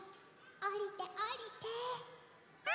おりておりて。